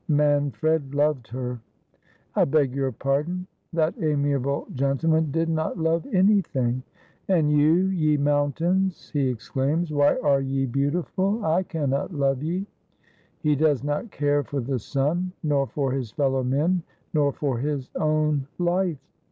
Manfred loved her.' 'I beg your pardon, that amiable gentleman did not love anything. " And you, ye mountains," he exclaims, " why are ye ^Love is not Old, as whan that it is Neiv.' 307 beautiful ? I cannot love ye." He does not care for the sun, nor for his fellow men, nor for his own life.